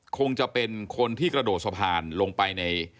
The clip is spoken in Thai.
คงจะเป็นคนที่กระโดดสะพานลงไปใน